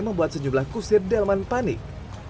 membuat sejumlah kusir delman panik